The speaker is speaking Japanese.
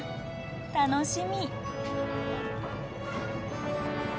楽しみ。